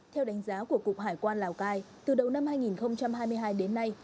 theo đánh giá của cục hải quan lào cai từ đầu năm hai nghìn hai mươi hai đến nay